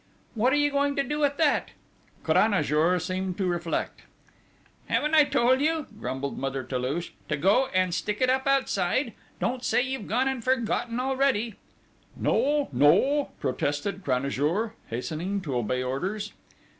"What are you going to do with that?" Cranajour seemed to reflect: "Haven't I told you," grumbled Mother Toulouche, "to go and stick it up outside?... Don't say you've gone and forgotten already!" "No, no!" protested Cranajour, hastening to obey orders.